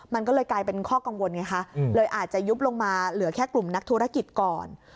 มันก็เลยกลายเป็นข้อกังวลไงคะเลยอาจจะยุบลงมาเหลือแค่กลุ่มนักธุรกิจก่อน